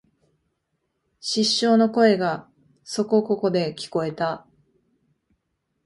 失笑の声がそこここで聞えた